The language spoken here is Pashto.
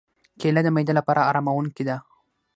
کېله د معدې لپاره آراموونکې ده.